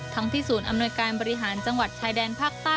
ที่ศูนย์อำนวยการบริหารจังหวัดชายแดนภาคใต้